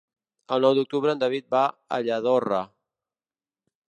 El nou d'octubre en David va a Lladorre.